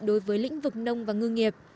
đối với lĩnh vực nông và ngư nghiệp